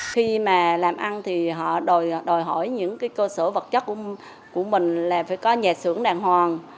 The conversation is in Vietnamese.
khi mà làm ăn thì họ đòi hỏi những cơ sở vật chất của mình là phải có nhà sưởng đàng hoàng